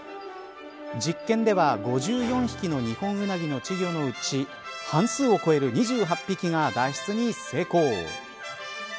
実験では、５４匹のニホンウナギの稚魚のうち半数を超える２８匹が脱出に成功。